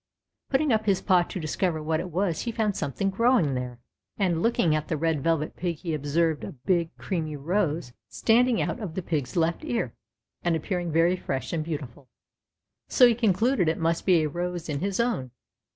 Putting up his paw to discover what it was he found something growing there, 292 THE CHILDREN'S WONDER BOOK. and looking at the Red Velvet Pig he observed a big creamy rose standing out of the pig's left ear, and appearing very fresh and beautiful, so he concluded it must be a rose in his own.